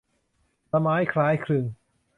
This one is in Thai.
ละม้ายคล้ายคลึง